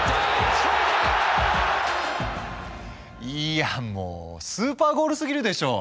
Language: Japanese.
いやもうスーパーゴールすぎるでしょ！